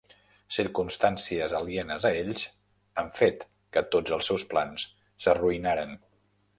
Circumstàncies alienes a ells han fet que tots els seus plans s'arruïnaren